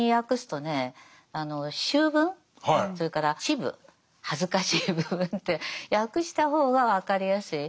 それから「恥部」恥ずかしい部分って訳した方が分かりやすい。